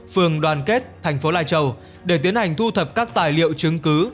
phường đoàn kết thành phố lai châu để tiến hành thu thập các tài liệu chứng cứ